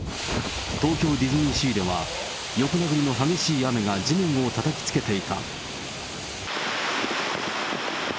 東京ディズニーシーでは、横殴りの激しい雨が地面をたたきつけていた。